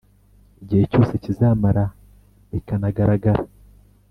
igihe cyose kizamara bikanagaragara